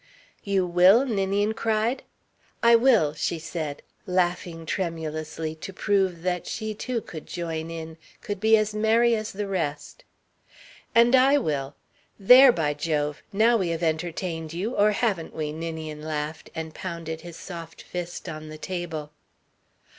"You will?" Ninian cried. "I will," she said, laughing tremulously, to prove that she too could join in, could be as merry as the rest. "And I will. There, by Jove, now have we entertained you, or haven't we?" Ninian laughed and pounded his soft fist on the table.